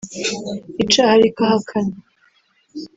icaha ariko ahakana